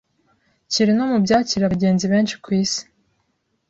kiri no mu byakira abagenzi benshi ku Isi